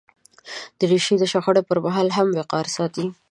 دریشي د شخړې پر مهال هم وقار ساتي.